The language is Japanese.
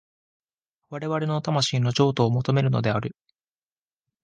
我々の魂の譲渡を求めるのである。